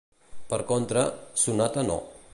Per contra, Sonata No.